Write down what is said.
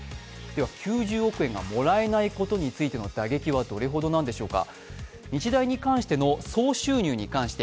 ９０億円がもらえないことについての打撃はどのくらいなんでしょうか。